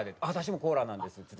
「私もコーラなんです」